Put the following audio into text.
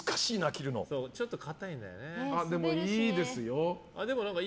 でもいいですよ。